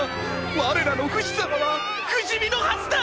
我らのフシ様は不死身のはずだ！！